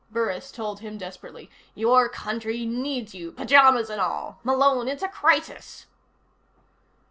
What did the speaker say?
Burris told him desperately. "Your country needs you. Pyjamas and all. Malone, it's a crisis!"